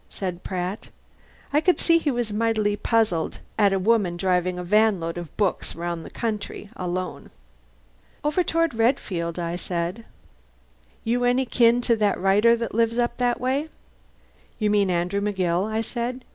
said Pratt. I could see he was mighty puzzled at a woman driving a vanload of books around the country, alone. "Over toward Redfield," I said. "You any kin to that writer that lives up that way?" "You mean Andrew McGill?" I said.